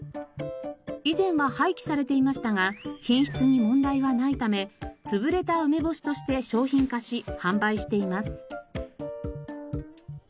以前は廃棄されていましたが品質に問題はないため潰れた梅干しとして商品化し販売しています。